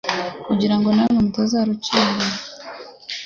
Kugira ngo namwe mutazarucirwa.»